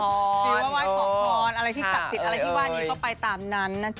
อะไรที่ตัดสิทธิ์อะไรที่ว่านี้ก็ไปตามนั้นนะจ๊ะ